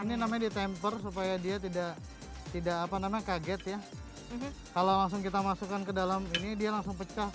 ini namanya di temper supaya dia tidak tidak apa namanya kaget ya kalau langsung kita masukkan ke dalam ini dia langsung mudah validir ni